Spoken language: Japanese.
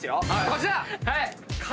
こちら！